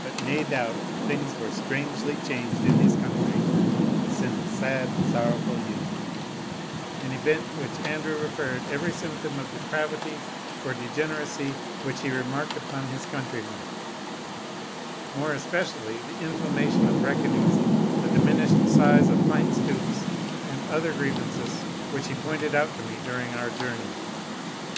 But nae doubt things were strangely changed in his country sin' the sad and sorrowfu' Union;" an event to which Andrew referred every symptom of depravity or degeneracy which he remarked among his countrymen, more especially the inflammation of reckonings, the diminished size of pint stoups, and other grievances, which he pointed out to me during our journey.